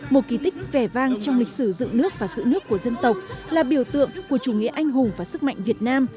một kỳ tích vẻ vang trong lịch sử dựng nước và sự nước của dân tộc là biểu tượng của chủ nghĩa anh hùng và sức mạnh việt nam